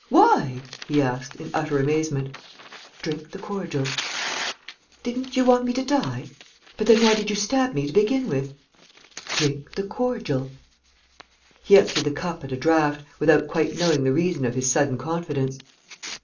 Why?" he asked, in utter amazement. "Drink the cordial." "Didn't you want me to die? But then why did you stab me to begin with?" "Drink the cordial." He emptied the cup at a draught, without quite knowing the reason of his sudden confidence.